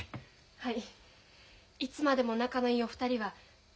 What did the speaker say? はい。